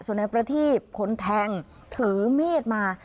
ส่วนในประธีผลแทงถือเมฆมา